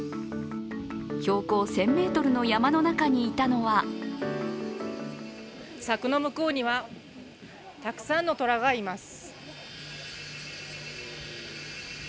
標高１０００ｍの山の中にいたのは柵の向こうにはたくさんの虎がいます。